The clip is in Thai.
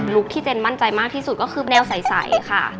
ที่เจนมั่นใจมากที่สุดก็คือแนวใสค่ะ